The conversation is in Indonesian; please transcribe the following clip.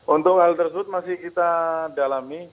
untuk hal tersebut masih kita dalami